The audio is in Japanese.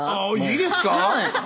いいですか？